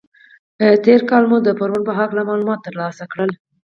تېر کال مو د فورمول په هکله معلومات تر لاسه کړل.